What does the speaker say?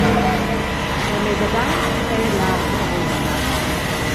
La mesadad ei lad avunda.